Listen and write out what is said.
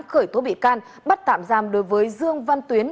khởi tố bị can bắt tạm giam đối với dương văn tuyến